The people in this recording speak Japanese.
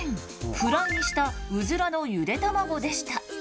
フライにしたうずらのゆで卵でした。